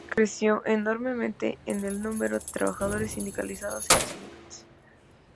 Creció enormemente el número de trabajadores sindicalizados y de sindicatos.